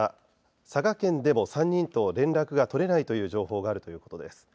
佐賀県でも３人と連絡が取れないという情報があるということです。